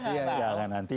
iya jangan nanti